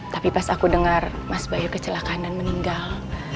tapi pas aku dengar mas bayu kecelakaan dan meninggal